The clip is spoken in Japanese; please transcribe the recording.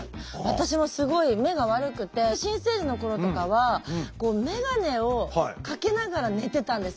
私もすごい目が悪くて新生児の頃とかはメガネをかけながら寝てたんです。